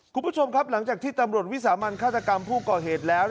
คุณผู้ชมครับหลังจากที่ตำรวจวิสามันฆาตกรรมผู้ก่อเหตุแล้ว